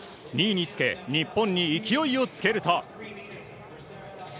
２位につけ、日本に勢いをつけると。